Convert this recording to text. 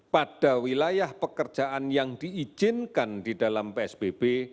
pada wilayah pekerjaan yang diizinkan di dalam psbb